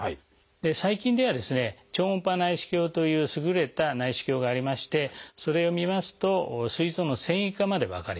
最近では超音波内視鏡という優れた内視鏡がありましてそれをみますとすい臓の線維化まで分かります。